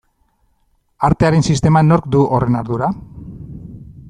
Artearen sisteman nork du horren ardura?